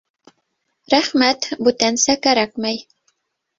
Рәхмәт, бүтәнсә кәрәкмәй.